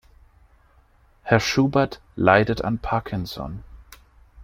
Herr Schubert leidet an Parkinson.